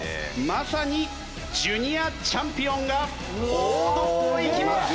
まさにＪｒ．チャンピオンが王道をいきます。